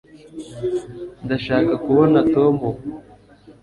ndashaka kubona tom ubu